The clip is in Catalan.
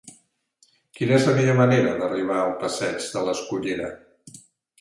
Quina és la millor manera d'arribar a la passeig de l'Escullera?